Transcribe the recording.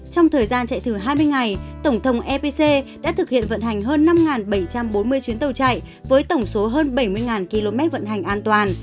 trong thời gian chạy thử hai mươi ngày tổng thống epc đã thực hiện vận hành hơn năm bảy trăm bốn mươi chuyến tàu chạy với tổng số hơn bảy mươi km vận hành an toàn